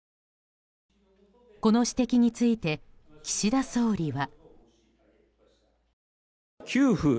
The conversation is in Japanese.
この指摘について岸田総理は。